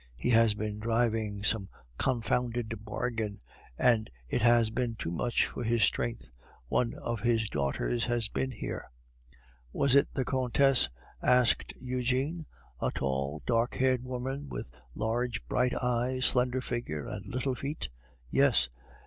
He has been driving some confounded bargain, and it has been too much for his strength. One of his daughters has been here." "Was it the Countess?" asked Eugene. "A tall, dark haired woman, with large bright eyes, slender figure, and little feet?" "Yes."